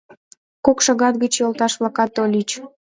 Кок шагат гыч йолташ-влакат тольыч.